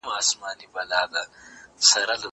زه بايد ځواب وليکم!!!!